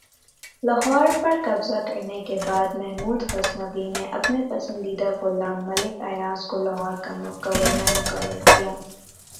لاہور پر قبضہ کرنے کے بعد محمود غزنوی نے اپنے پسندیدہ غلام ملک ایاز کو لاہور کا گورنر مقرر کیا